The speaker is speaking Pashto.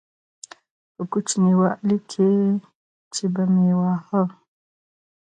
په کوچنيوالي کښې چې به مې واهه.